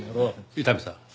伊丹さん。